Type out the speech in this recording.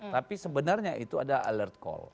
tapi sebenarnya itu ada alert call